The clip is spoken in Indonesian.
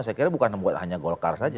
saya kira bukan hanya golkar saja